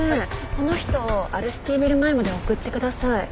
この人をアルシティビル前まで送ってください。